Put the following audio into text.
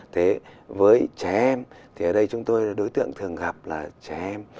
thế với trẻ em thì ở đây chúng tôi là đối tượng thường gặp là trẻ em